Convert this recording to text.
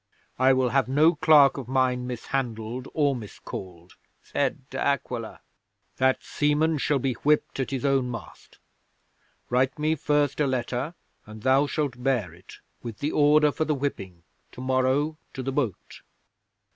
'"I will have no clerk of mine mishandled or miscalled," said De Aquila. "That seaman shall be whipped at his own mast. Write me first a letter, and thou shalt bear it, with the order for the whipping, to morrow to the boat."